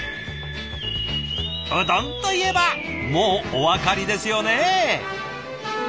うどんといえばもうお分かりですよね？